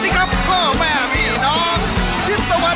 ข้าว